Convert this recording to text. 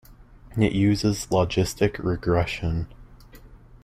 It uses logistic regression.